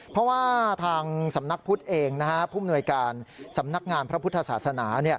เพราะว่าทางสำนักพุทธเองผู้มนวยการสำนักงานพระพุทธศาสนา